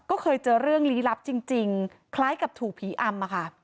ก็เคยเจอเรื่องลี้ลับจริงคล้ายกับถูกผีอำค่ะ